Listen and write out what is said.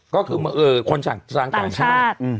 ก็คือคนส่างกลางชาติ